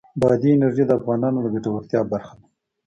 بادي انرژي د افغانانو د ګټورتیا برخه ده.